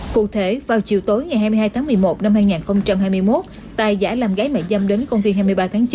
cụ thể vào chiều tối ngày hai mươi hai tháng một mươi một năm hai nghìn hai mươi một tài giả làm gái mẹ dâm đến công viên hai mươi ba tháng chín